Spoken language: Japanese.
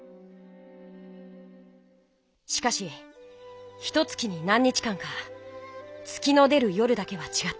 しかし１か月に何日間か月の出る夜だけはちがった。